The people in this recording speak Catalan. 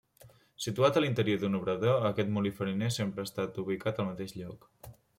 Situat a l'interior d'un obrador, aquest molí fariner ha estat sempre ubicat al mateix lloc.